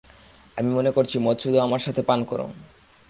আমি মনে করছি মদ শুধু আমার সাথে পান করো!